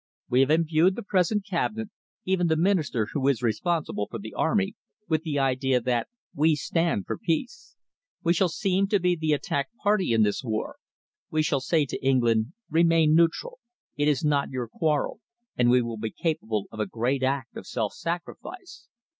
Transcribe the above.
We have imbued the present Cabinet, even the Minister who is responsible for the army, with the idea that we stand for peace. We shall seem to be the attacked party in this war. We shall say to England 'Remain neutral. It is not your quarrel, and we will be capable of a great act of self sacrifice.